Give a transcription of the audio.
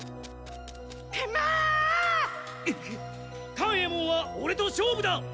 勘右衛門はオレと勝負だ！